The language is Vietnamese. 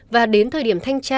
và đến thời điểm thanh tra